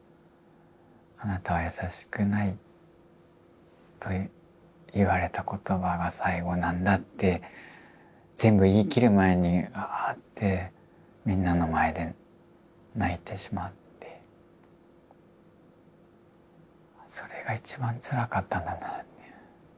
「あなたは優しくない」と言われた言葉が最後なんだって全部言い切る前にわぁってみんなの前で泣いてしまってそれが一番つらかったんだなって。